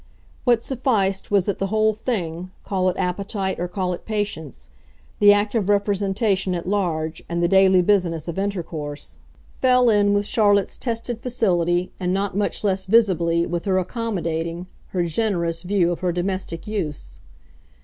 What sufficed was that the whole thing, call it appetite or call it patience, the act of representation at large and the daily business of intercourse, fell in with Charlotte's tested facility and, not much less visibly, with her accommodating, her generous, view of her domestic use.